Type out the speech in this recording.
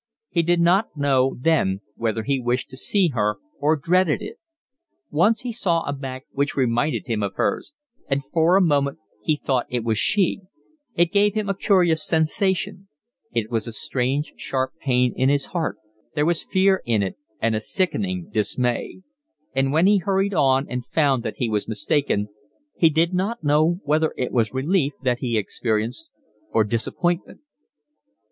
He did not know then whether he wished to see her or dreaded it. Once he saw a back which reminded him of hers, and for a moment he thought it was she; it gave him a curious sensation: it was a strange sharp pain in his heart, there was fear in it and a sickening dismay; and when he hurried on and found that he was mistaken he did not know whether it was relief that he experienced or disappointment.